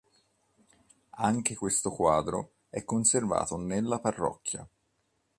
Anche questo quadro è conservato nella parrocchia.